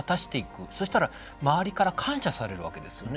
そしたら周りから感謝されるわけですよね。